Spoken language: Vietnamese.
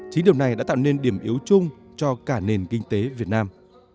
chính điều này đã tạo nên điểm yếu chung cho cả nền kinh tế việt nam